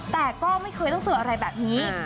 แต่ก็ไม่เคยต้องเจออะไรแบบนี้